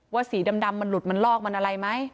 สีดำมันหลุดมันลอกมันอะไรไหม